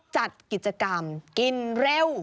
จัดกิจกรรมกินเร็ว